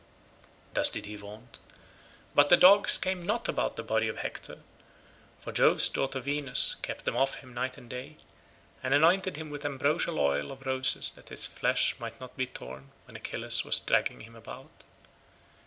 Thus did he vaunt, but the dogs came not about the body of Hector, for Jove's daughter Venus kept them off him night and day, and anointed him with ambrosial oil of roses that his flesh might not be torn when Achilles was dragging him about.